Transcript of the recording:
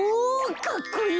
かっこいい！